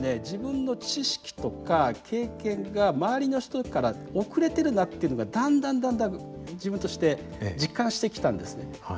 自分の知識とか経験が周りの人から遅れてるなっていうのがだんだんだんだん自分として実感してきたんですね。